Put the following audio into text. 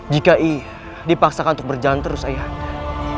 jika ia dipaksakan untuk berjalan terus ayah anda